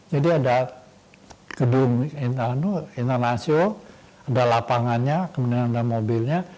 jadi ada gedung internasio ada lapangannya kemudian ada mobilnya